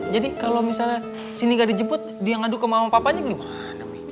jadi kalau misalnya cindy nggak dijemput dia ngaduk sama mama papanya gimana mi